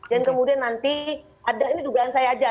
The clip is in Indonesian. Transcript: dan kemudian nanti ini dugaan saya aja ya